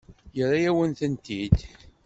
Yerra-yawen-tent-id?